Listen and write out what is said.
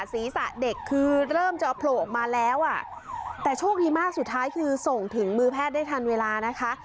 ศีรษะเด็กคือเริ่มจะโผล่ออกมาแล้วอ่ะแต่โชคดีมากสุดท้ายคือส่งถึงมือแพทย์ได้ทันเวลานะคะ